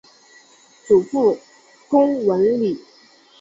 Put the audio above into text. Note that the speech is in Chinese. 祖父龚文礼。